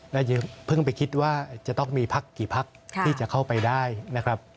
และอย่าเพิ่งไปคิดว่าจะต้องมีพักกี่พักที่จะเข้าไปได้นะครับ